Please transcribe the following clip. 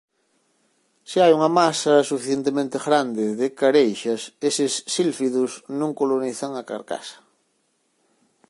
Se hai unha masa suficientemente grande de careixas eses sílfidos non colonizan a carcasa.